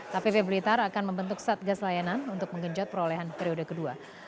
kpp blitar akan membentuk satgas layanan untuk menggenjot perolehan periode kedua